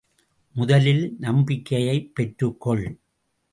முதலில் நம்பிக்கையைப் பெற்றுக் கொள்!